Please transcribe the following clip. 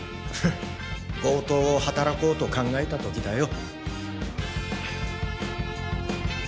強盗をはたらこうと考えたときだよ。